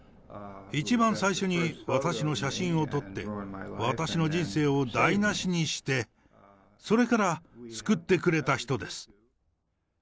一番最初に私の写真を撮って、私の人生を台なしにして、それから救ってくれた人です。